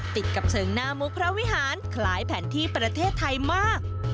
ติดกับเชิงหน้ามุกพระวิหารคล้ายแผนที่ประเทศไทยมาก